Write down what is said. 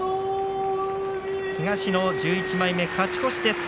東の１１枚目、勝ち越しです。